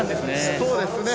そうですね。